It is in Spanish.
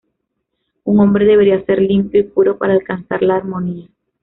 Un hombre debía ser limpio y puro para alcanzar la armonía.